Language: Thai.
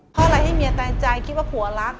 เผาล่ะให้เมียตายใจคิดว่าผัวลัก